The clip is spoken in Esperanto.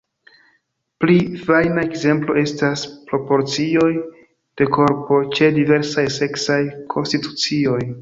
Pli fajna ekzemplo estas proporcioj de korpo ĉe diversaj seksaj konstitucioj.